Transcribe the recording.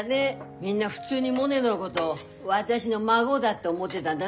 みんな普通にモネのごど私の孫だって思ってだんだね。